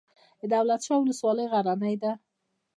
د دولت شاه ولسوالۍ غرنۍ ده